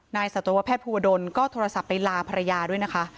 สัตวแพทย์ภูวดลก็โทรศัพท์ไปลาภรรยาด้วยนะคะ